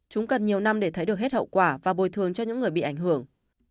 chúng cần nhiều năm để thấy được hết hậu quả và bồi thường cho những người bị ảnh hưởng